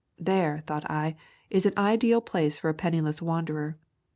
"There," thought I, "is an ideal place for a penniless wanderer.